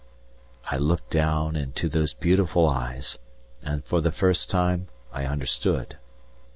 I looked down into those beautiful eyes, and for the first time I understood.